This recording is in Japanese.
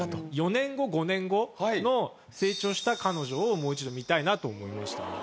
４年後５年後の成長した彼女をもう一度見たいなと思いましたね。